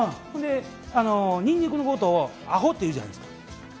ニンニクのことをアホって言うじゃないですか。